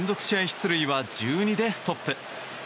出塁は１２でストップ。